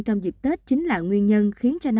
trong dịp tết chính là nguyên nhân khiến cho